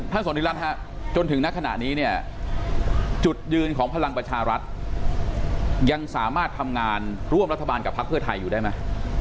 สนทิรัฐจนถึงณขณะนี้เนี่ยจุดยืนของพลังประชารัฐยังสามารถทำงานร่วมรัฐบาลกับพักเพื่อไทยอยู่ได้ไหม